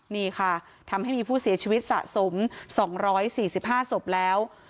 นี่ค่ะทำให้มีผู้เสียชีวิตสะสม๒๔๕ศพแล้ว